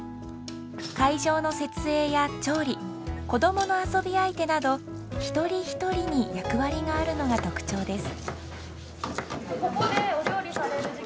会場の設営や調理こどもの遊び相手などひとりひとりに「役割」があるのが特徴です。